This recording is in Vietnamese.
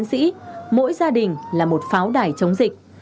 những chiến sĩ mỗi gia đình là một pháo đải chống dịch